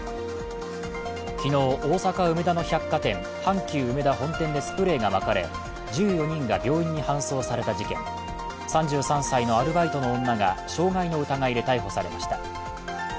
昨日、大阪・梅田の百貨店阪急うめだ本店でスプレーがまかれ、１４人が病院に搬送された事件、３３歳のアルバイトの女が傷害の疑いで逮捕されました。